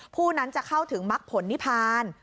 ผู้นั้นจะเข้าถึงมักผลนิพาน